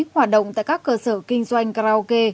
hoạt động tại các cơ sở kinh doanh karaoke